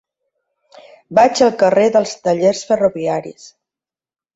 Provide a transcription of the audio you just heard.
Vaig al carrer dels Tallers Ferroviaris.